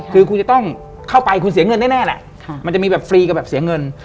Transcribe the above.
คือคุณจะต้องเข้าไปคุณเสียเงินแน่แหละมันจะมีแบบฟรีกับแบบเสียเงิน